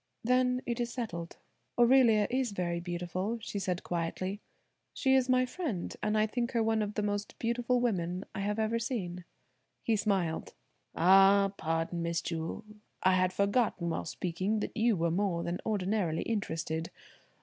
"Then it is settled. Aurelia is very beautiful," she said quietly. "She is my friend, and I think her one of the most beautiful women I have ever seen." He smiled. "Ah, pardon, Miss Jewel; I had forgotten while speaking that you were more than ordinarily interested.